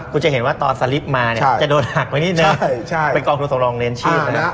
กูจะเห็นว่าตอนสลิปมาจะโดนหักไว้นิดเป็นกองทุนสมรองเรียนชีพ